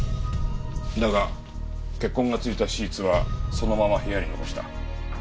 だが血痕がついたシーツはそのまま部屋に残した。